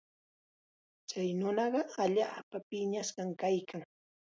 Chay nunaqa allaapa piñashqam kaykan.